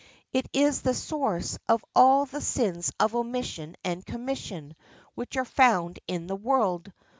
It is the source of all the sins of omission and commission which are found in the world.